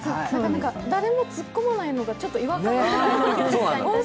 誰も突っ込まないのがちょっと違和感で。